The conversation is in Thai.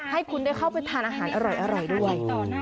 ให้คุณได้เข้าไปทานอาหารอร่อยด้วย